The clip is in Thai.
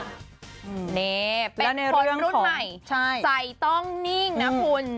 นี่เป็นคนรุ่นใหม่ใจต้องนิ่งนะคุณ